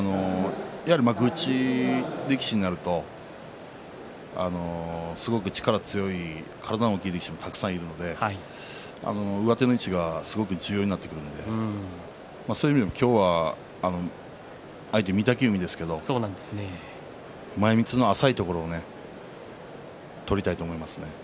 幕内力士になるとすごく力が強い体が大きい力士がたくさんいるので上手の位置がすごく重要になってくるのでそういう意味でも今日は相手、御嶽海ですけれど前みつの浅いところをね取りたいと思いますね。